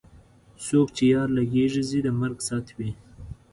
څوک چې یار له غېږې ځي د مرګ ساعت وي.